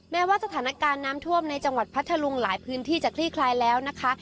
แม้ว่าสถานการณ์น้ำท่วมในจังหวัดพัทธลุงหลายพื้นที่จะคลี่คลายแล้วนะคะ